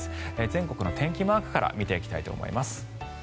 全国の天気マークから見ていきたいと思います。